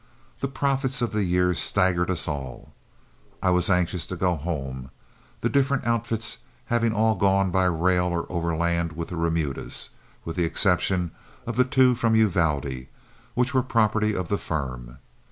The profits of the year staggered us all. I was anxious to go home, the different outfits having all gone by rail or overland with the remudas, with the exception of the two from Uvalde, which were property of the firm.